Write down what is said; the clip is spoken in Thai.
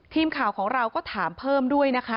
ทีมข่าวของเราก็ถามเพิ่มด้วยนะคะ